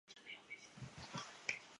他安葬在乌鲁木齐东山公墓。